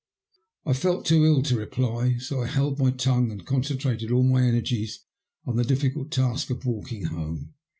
I felt too ill to reply, so I held my tongue and con centrated all my energies on the difficult task of walking home.